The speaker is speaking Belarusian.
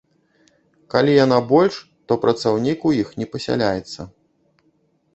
Калі яна больш, то працаўнік у іх не пасяляецца.